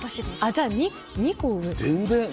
じゃあ、２個上？